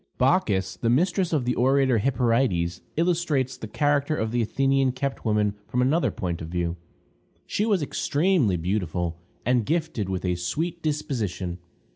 Bacchis, the mistress of the orator Hyperides, illustrates the character of the Athenian kept woman from another point of view. She was extremely beautiful, and gifted with a sweet disposition.